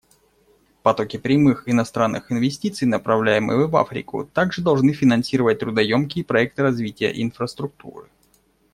Потоки прямых иностранных инвестиций, направляемые в Африку, также должны финансировать трудоемкие проекты развития инфраструктуры.